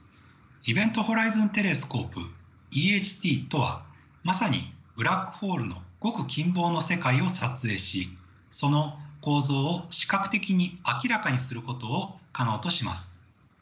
ＥｖｅｎｔＨｏｒｉｚｏｎＴｅｌｅｓｃｏｐｅＥＨＴとはまさにブラックホールのごく近傍の世界を撮影しその構造を視覚的に明らかにすることを可能とします。